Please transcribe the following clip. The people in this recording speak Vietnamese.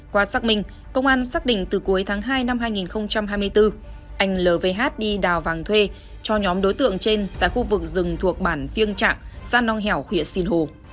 qua xác minh công an xác định từ cuối tháng hai năm hai nghìn hai mươi bốn anh lvh đi đào vàng thuê cho nhóm đối tượng trên tại khu vực rừng thuộc bản phiêng trạng xã nong hẻo huyện sinh hồ